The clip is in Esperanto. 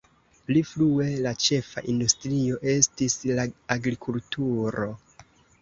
Pli frue la ĉefa industrio estis la agrikulturo.